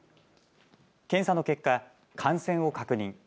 検査の結果、感染を確認。